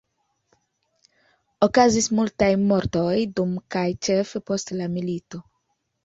Okazis multaj mortoj dum kaj ĉefe post la milito.